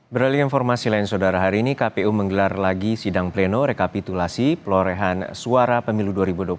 beralih informasi lain saudara hari ini kpu menggelar lagi sidang pleno rekapitulasi pelorehan suara pemilu dua ribu dua puluh